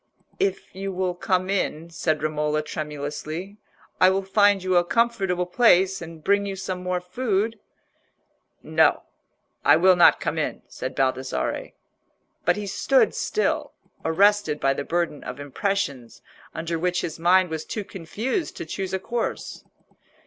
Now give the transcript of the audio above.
"If you will come in," said Romola, tremulously, "I will find you a comfortable place, and bring you some more food." "No, I will not come in," said Baldassarre. But he stood still, arrested by the burden of impressions under which his mind was too confused to choose a course.